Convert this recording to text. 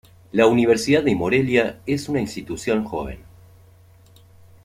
La Universidad de Morelia es una institución joven.